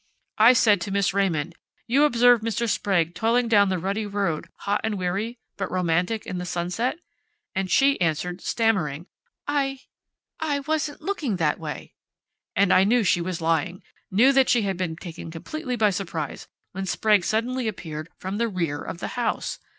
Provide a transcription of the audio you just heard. I had said to Miss Raymond: 'You observed Mr. Sprague toiling down the rutty road, hot and weary, but romantic in the sunset?' And she answered, stammering: 'I I wasn't looking that way....' And I knew she was lying, knew that she had been taken completely by surprise when Sprague suddenly appeared from the rear of the house!